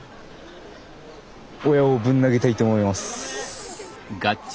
親をぶん投げたいと思います。